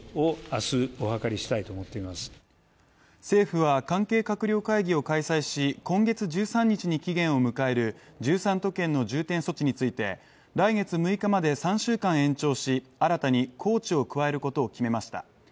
政府は関係閣僚会議を開催し、今月１３日に期限を迎える１３都県の重点措置について来月６日まで３週間延長し新たに高知を加えることを決めました。